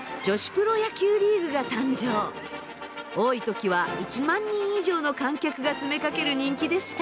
多い時は１万人以上の観客が詰めかける人気でした。